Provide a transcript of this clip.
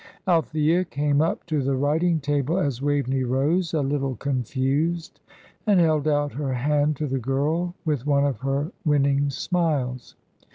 Althea came up to the writing table as Waveney rose, a little confused, and held out her hand to the girl with one of her winning smiles.